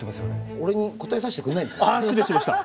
俺に答えさせてくれないんですか？